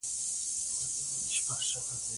افغانستان کې د ننګرهار په اړه زده کړه کېږي.